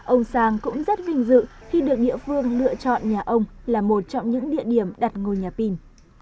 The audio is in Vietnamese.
ông sang cũng rất vinh dự khi được địa phương lựa chọn nhà ông là một trong những địa điểm đặt ngôi nhà pin